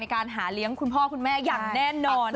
การหาเลี้ยงคุณพ่อคุณแม่อย่างแน่นอน